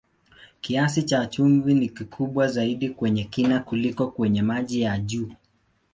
Kiasi cha chumvi ni kikubwa zaidi kwenye kina kuliko kwenye maji ya juu.